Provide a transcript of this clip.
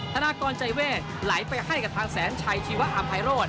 ธนากรใจเวทไหลไปให้กับทางแสนชัยชีวะอำภัยโรธ